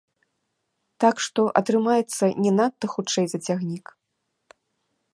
Так што атрымаецца не надта хутчэй за цягнік.